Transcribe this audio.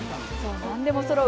何でもそろう